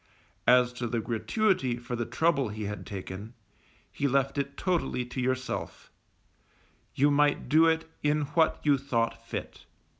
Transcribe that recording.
As to a gratuity for the trouble he had taken, he left it totally to yourself; you might do it in what you thought fit.